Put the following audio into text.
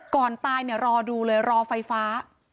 ก่อนตายเนี่ยรอดูเลยรอไฟฟ้า